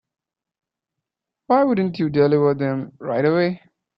Why didn't you deliver them right away?